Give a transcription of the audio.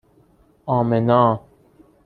آمنا